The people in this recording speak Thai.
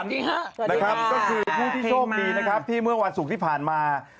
นี่ะแต่คือผู้พี่โชคดีนะครับที่เมื่อวันสุขที่ผ่านมา